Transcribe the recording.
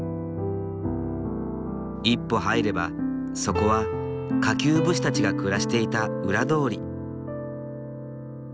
一歩入ればそこは下級武士たちが暮らしていた裏通り。